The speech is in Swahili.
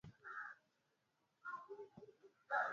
Kukonda au Afya mbaya